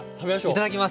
いただきます。